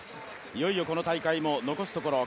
いよいよこの大会も残すところ